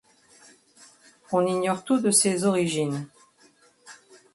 On ignore tout de ses origines.